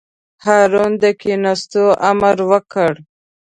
هارون د کېناستو امر وکړ.